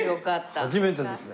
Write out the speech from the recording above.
初めてですね。